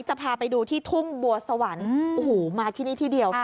จะพาไปดูที่ทุ่งบัวสวรรค์โอ้โหมาที่นี่ที่เดียว